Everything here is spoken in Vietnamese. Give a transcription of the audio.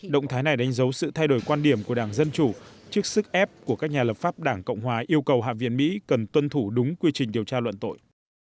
động thái này đánh dấu sự thay đổi quan điểm của đảng dân chủ trước sức ép của các nhà lập pháp đảng cộng hòa yêu cầu hạ viện mỹ cần tuân thủ đúng quy trình điều tra luận tội